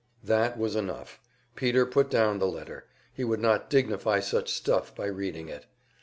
That was enough! Peter put down the letter he would not dignify such stuff by reading it.